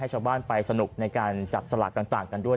ชาวบ้านไปสนุกในการจับสลากต่างกันด้วย